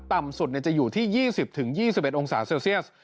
ต่ำสุดจะอยู่ที่๒๐๒๑องศาเซลเซียส